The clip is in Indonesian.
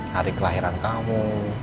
hari kelahiran kamu